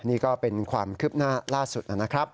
นี่ก็เป็นความคืบหน้าล่าสุดนะครับ